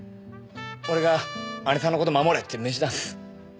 俺が姐さんの事守れって命じたんす。